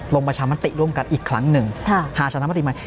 ลงประชามาติร่วมกันอีกครั้งหนึ่งหาประชามาติมา